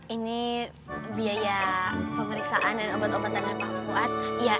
ini biaya pemeriksaan dan obat obatan dari pak fuad